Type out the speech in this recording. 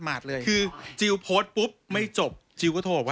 ไม่จบคือจิลโพสต์ปุ๊บไม่จบจิลก็โทรปะ